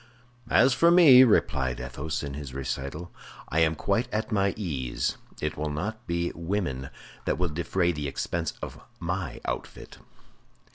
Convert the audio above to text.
"As for me," replied Athos to this recital, "I am quite at my ease; it will not be women that will defray the expense of my outfit."